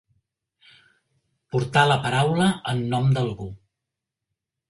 Portar la paraula en nom d'algú.